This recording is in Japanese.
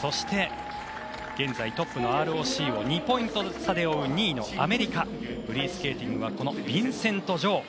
そして現在トップのＲＯＣを２ポイント差で追う２位のアメリカフリースケーティングはこのヴィンセント・ジョウ。